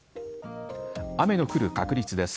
雨の降る確率です。